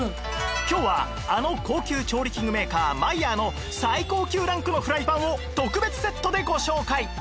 今日はあの高級調理器具メーカーマイヤーの最高級ランクのフライパンを特別セットでご紹介